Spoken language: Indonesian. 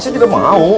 saya tidak mau